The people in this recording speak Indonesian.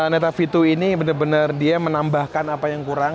neta v dua ini bener bener dia menambahkan apa yang kurang